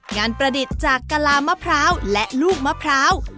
ประดิษฐ์จากกะลามะพร้าวและลูกมะพร้าว